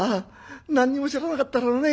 何にも知らなかったからね。